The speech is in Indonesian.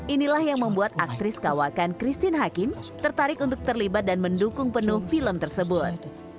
inilah yang membuat aktris kawakan christine hakim tertarik untuk terlibat dan mendukung penuh film tersebut